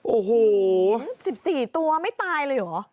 โอ้โหสิบสี่ตัวไม่ตายเลยหรอ